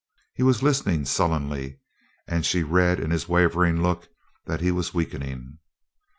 He was listening sullenly and she read in his wavering look that he was weakening.